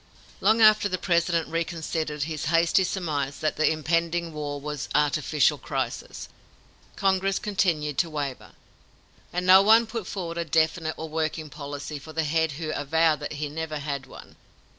Long after the President reconsidered his hasty surmise that the impending war was "artificial crisis," Congress continued to waver, and no one put forward a definite and working policy for the head who avowed that he never had one.